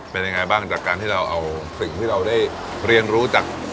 เป็นยังไงบ้างจากการที่เราเอาสิ่งที่เราได้เรียนรู้จาก